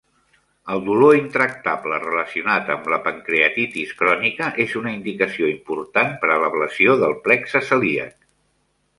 El dolor intractable relacionat amb la pancreatitis crònica és una indicació important per a l'ablació del plexe celíac.